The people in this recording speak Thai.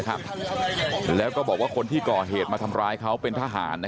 แล้วก็บอกว่าคนที่ก่อเหตุมาทำร้ายเขาเป็นทหาร